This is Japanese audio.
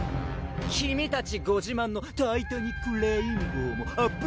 君たちご自慢のタイタニック・レインボーもアップ